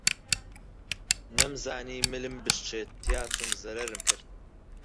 نەمزانی ملم بشکێ تیا چووم زەرەرم کرد